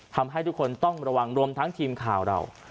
ทำให้ทุกคนต้องระวังรวมทั้งทีมข่าวเรา